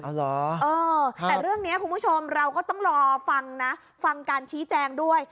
เหรอเออแต่เรื่องนี้คุณผู้ชมเราก็ต้องรอฟังนะฟังการชี้แจงด้วย